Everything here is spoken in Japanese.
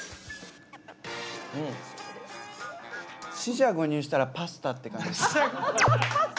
四捨五入したらパスタって感じっすね。